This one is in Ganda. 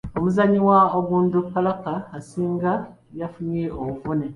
Omuzanyi wa Onduparaka asinga yafunye obuvune.